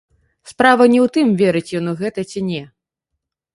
Справа не ў тым, верыць ён у гэта ці не.